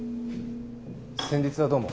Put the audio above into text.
先日はどうも。